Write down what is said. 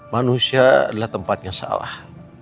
manusia adalah tempat yang salah